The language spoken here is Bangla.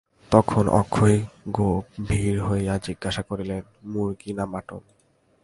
তখন অক্ষয় গম্ভীর হইয়া জিজ্ঞাসা করিলেন, মুর্গি না মটন!